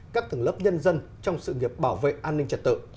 các tầng lớp nhân dân trong sự nghiệp bảo vệ an ninh trật tự